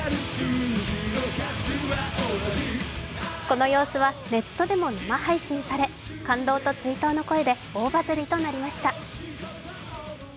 この様子はネットでも生配信され感動と追悼の声で大バズりとなりました。